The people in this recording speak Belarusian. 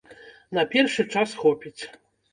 На першы час хопіць.